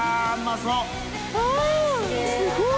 すごい！